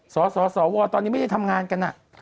สอสอสอวอตอนนี้ไม่ได้ทำงานกันอะ